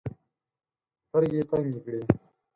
سترګي یې تنګي کړې .